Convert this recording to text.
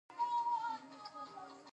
انسانان ټولنیز موجودات دي.